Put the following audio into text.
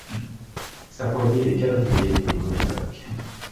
Sa poignée est quadrillée et monobloc.